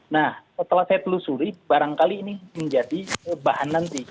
nah setelah saya telusuri barangkali ini menjadi bahan nanti